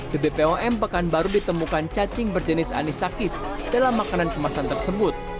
bp pom pekan baru ditemukan cacing berjenis anisakis dalam makanan kemasan tersebut